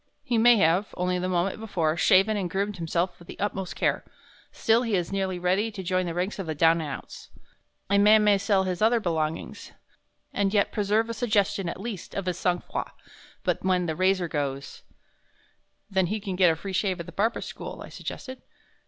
"He may have, only the moment before, shaven and groomed himself with the utmost care, still he is nearly ready to join the ranks of the down and outs. A man may sell his other belongings his clothes included and yet preserve a suggestion at least of his sang froid. But when the razor goes " "Then he can get a free shave at the Barbers' School," I suggested.